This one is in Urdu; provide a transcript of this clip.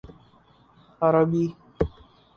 عربی